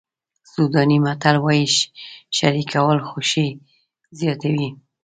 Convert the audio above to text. سوډاني متل وایي شریکول خوښي زیاتوي.